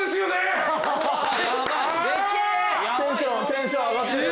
テンション上がってる。